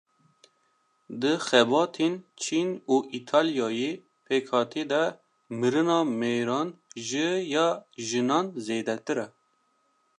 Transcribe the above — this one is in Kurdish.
Di xebatên Çîn û Îtalyayê pêkhatî de mirina mêran ji ya jinan zêdetir e.